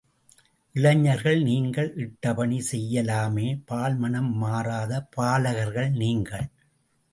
இளைஞர்கள் நீங்கள் இட்டபணி செய்யலாமே பால் மணம் மாறாத பாலகர்கள் நீங்கள்.